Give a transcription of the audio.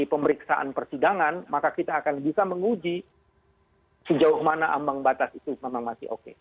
di pemeriksaan persidangan maka kita akan bisa menguji sejauh mana ambang batas itu memang masih oke